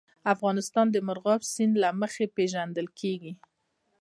افغانستان د مورغاب سیند له مخې پېژندل کېږي.